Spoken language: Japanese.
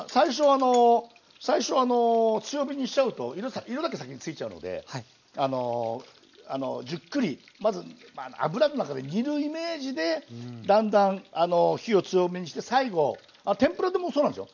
最初あの強火にしちゃうと色だけ先についちゃうのでじっくりまず油の中で煮るイメージでだんだん火を強めにして最後天ぷらでもそうなんですよ。